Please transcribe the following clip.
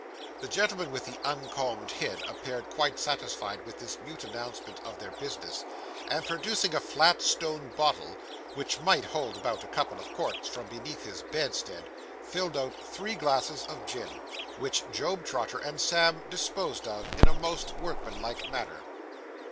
The gentleman with the uncombed head appeared quite satisfied with this mute announcement of their business, and, producing a flat stone bottle, which might hold about a couple of quarts, from beneath his bedstead, filled out three glasses of gin, which Job Trotter and Sam disposed of in a most workmanlike manner.